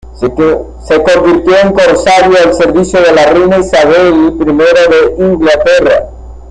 Se convirtió en corsario al servicio de la reina Isabel I de Inglaterra.